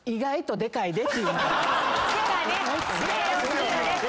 でかいんです。